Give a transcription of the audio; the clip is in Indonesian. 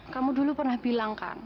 kamu dulu pernah bilang kak